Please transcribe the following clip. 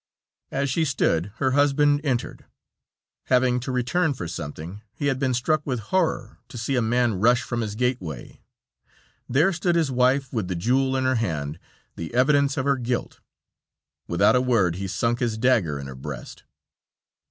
As she stood her husband entered. Having to return for something, he had been struck with horror to see a man rush from his gateway. There stood his wife with the jewel in her hand, the evidence of her guilt. Without a word he sunk his dagger in her breast.